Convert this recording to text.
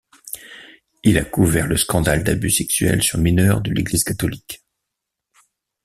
Il a couvert le scandale d'abus sexuel sur mineurs de l'Église catholique.